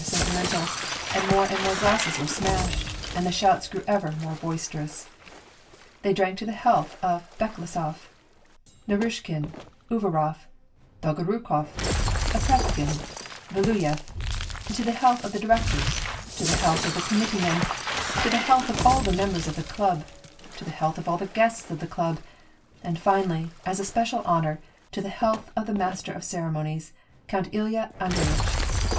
sentimental, and more and more glasses were smashed, and the shouts grew ever more boisterous. They drank to the health of Bekleshof, Naruishkin, Uvarof, Dolgorukof, Apraksin, Va luyef, to the health of the directors, to the health of the com mittee men, to the health of all the membera of the club, to the health of all the guests of the club, afld, finally, as a special honor, to the health of the master of ceremonies. Count Ilya Adreyitch.